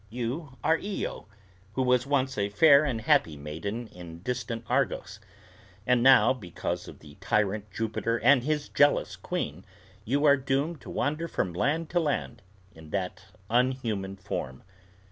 "You are Io who was once a fair and happy maiden in distant Argos; and now, because of the tyrant Jupiter and his jealous queen, you are doomed to wander from land to land in that unhuman form.